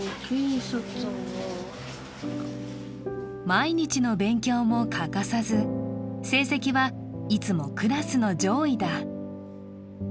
毎日の勉強も欠かさず、成績はいつもクラスの上位だ。